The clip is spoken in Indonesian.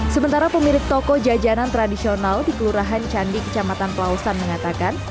sementara pemilik toko jajanan tradisional di kelurahan candi kecamatan pelausan mengatakan